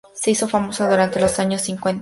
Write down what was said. Se hizo famosa durante los años cincuenta.